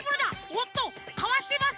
おっとかわしてます